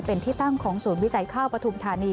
เป็นที่ตั้งของศูนย์วิจัยข้าวปฐุมธานี